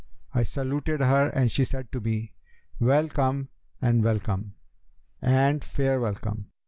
I saluted her and she said to me, 'Well come and welcome, and fair welcome!'